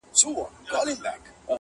یوه سړي ورباندي نوم لیکلی!!